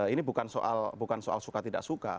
ini bukan soal suka tidak suka